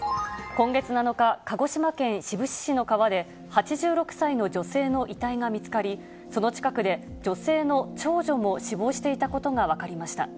今月７日、鹿児島県志布志市の川で、８６歳の女性の遺体が見つかり、その近くで女性の長女も死亡していたことが分かりました。